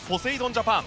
ジャパン。